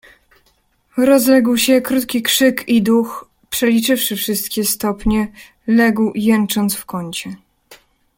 "Rozległ się krótki krzyk i duch, przeliczywszy wszystkie stopnie, legł jęcząc w kącie."